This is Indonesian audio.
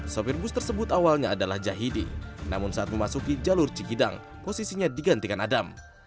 sopir bus tersebut awalnya adalah jahidi namun saat memasuki jalur cikidang posisinya digantikan adam